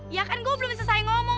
ya kan gue belum selesai ngomong